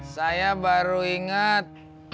saya baru ingat